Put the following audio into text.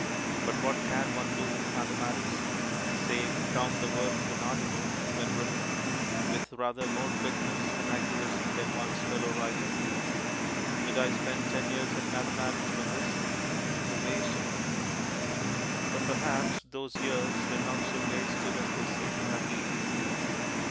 But what can one do with mathematics save count the words of an article (when written) with rather more quickness and accuracy than one's fellow writer? Did I spend ten years at mathematics for this? The waste of it! But perhaps those years were not so wasted as they seem to have been.